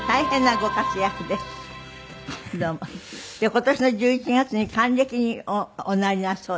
今年の１１月に還暦におなりだそうでございまして。